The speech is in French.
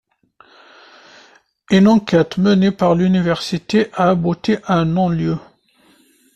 Une enquête menée par l'université a abouti à un non-lieu.